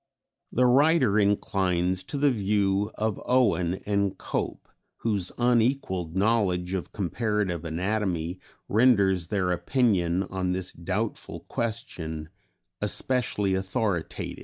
The writer inclines to the view of Owen and Cope, whose unequalled knowledge of comparative anatomy renders their opinion on this doubtful question especially authoritative.